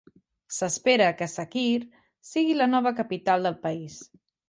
S'espera que Sakhir sigui la nova capital del país.